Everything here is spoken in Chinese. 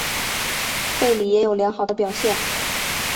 贝里也有良好的表现。